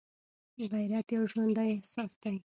غیرت یو ژوندی احساس دی